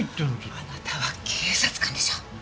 あなたは警察官でしょ。